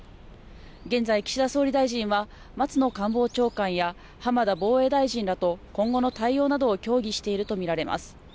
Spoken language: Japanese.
現在、岸田総理大臣は松野官房長官や浜田防衛大臣らと今後の対応などを協議していると見られます。